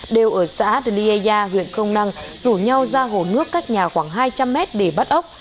đều ở xã adeliea huyện krong nang rủ nhau ra hồ nước cách nhà khoảng hai trăm linh m để bắt ốc